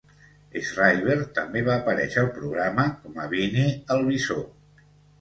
Schreiber també va aparèixer al programa, com a Beanie el bisó.